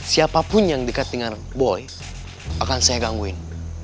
siapapun yang dekat dengan boy akan saya gangguin